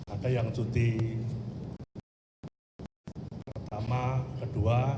ada yang cuti pertama kedua